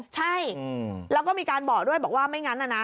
ใช่แล้วก็มีการบอกด้วยบอกว่าไม่งั้นนะ